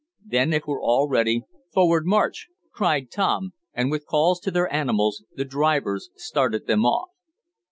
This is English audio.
Then, if we're all ready, forward march!" cried Tom, and with calls to their animals, the drivers started them off.